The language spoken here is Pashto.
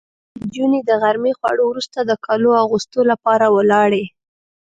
نجونې د غرمې خوړو وروسته د کالو اغوستو لپاره ولاړې.